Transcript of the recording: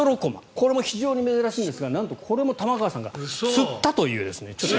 これも非常に珍しいんですがこれも玉川さんが釣ったという。